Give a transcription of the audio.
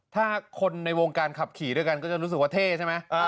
ถ้าคนในวงการขับขี่ด้วยกันก็จะรู้สึกว่าเท่ใช่ไหม